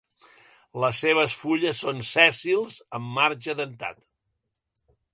Les seves fulles són sèssils amb el marge dentat.